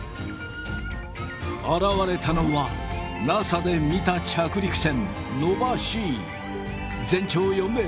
現れたのはＮＡＳＡで見た本物です！